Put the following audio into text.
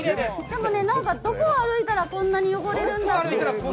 でもね、どこを歩いたらこんなに汚れるんだっていう。